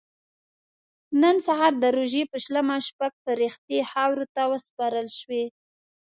نن سهار د روژې په شلمه شپږ فرښتې خاورو ته وسپارل شوې.